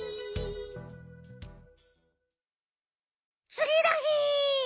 つぎのひ。